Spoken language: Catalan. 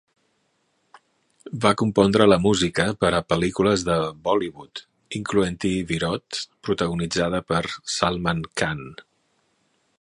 Va compondre la música per a pel·lícules de Bollywood, incloent-hi Virod, protagonitzada per Salman Khan.